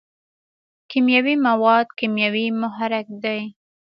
کیمیاوي مواد کیمیاوي محرک دی.